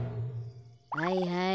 はいはい。